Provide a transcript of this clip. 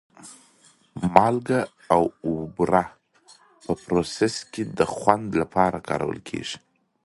مالګه او بوره په پروسس کې د خوند لپاره کارول کېږي.